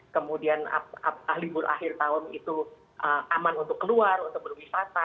kemudian libur akhir tahun itu aman untuk keluar untuk berwisata